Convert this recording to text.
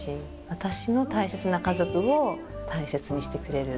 私の大切な家族を大切にしてくれる。